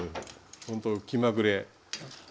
ほんと気まぐれ。